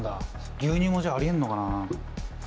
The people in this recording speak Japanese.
牛乳もじゃあありえんのかなあ？